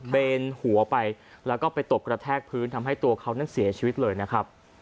นหัวไปแล้วก็ไปตกกระแทกพื้นทำให้ตัวเขานั้นเสียชีวิตเลยนะครับ